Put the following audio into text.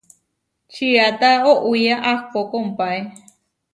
Čiata oʼwía ahpó kompáe.